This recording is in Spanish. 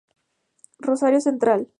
Rosario Central